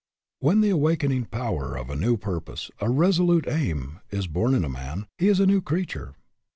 When the awakening power of a new pur pose, a resolute aim, is born in a man, he is a new creature.